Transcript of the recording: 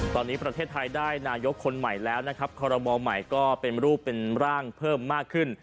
ตอนนี้ประเทศไทยได้นายกคนใหม่แล้วนะครับคอรมอลใหม่ก็เป็นรูปเป็นร่างเพิ่มมากขึ้น